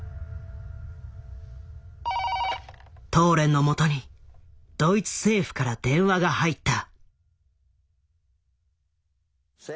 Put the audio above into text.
☎トーレンのもとにドイツ政府から電話が入った。